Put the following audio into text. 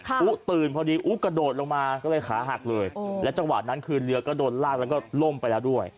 อุ๊ตื่นพอดีอุ๊กระโดดลงมาก็เลยขาหักเลยและจังหวะนั้นคือเรือก็โดนลากแล้วก็ล่มไปแล้วด้วย